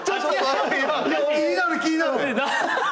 気になる気になる。